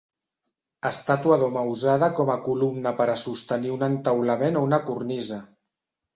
Estàtua d'home usada com a columna per a sostenir un entaulament o una cornisa.